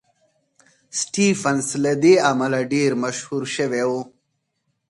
سټېفنس له دې امله ډېر مشهور شوی و